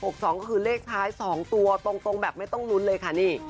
ก็คือเลขท้าย๒ตัวตรงแบบไม่ต้องลุ้นเลยค่ะนี่